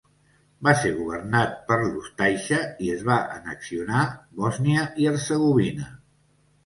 Va ser governat per l'Ústaixa i es va annexionar Bòsnia i Hercegovina.